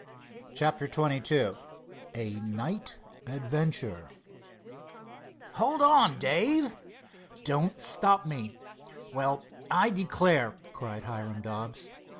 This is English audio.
CHAPTER XXII A NIGHT ADVENTURE "Hold on, Dave." "Don't stop me." "Well, I declare!" cried Hiram Dobbs.